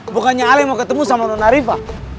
bukannya ala yang mau ketemu sama nona rifa